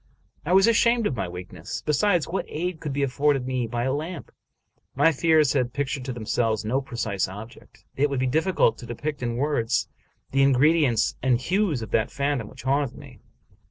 I was ashamed of my weakness. Besides, what aid could be afforded me by a lamp? My fears had pictured to themselves no precise object. It would be difficult to depict in words the ingredients and 255 American Mystery Stories hues of that phantom which haunted me.